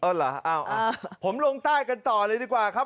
เหรอผมลงใต้กันต่อเลยดีกว่าครับ